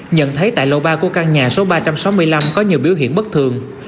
nhận thấy tại lầu ba của căn nhà số ba trăm sáu mươi năm có nhiều biểu hiện bất thường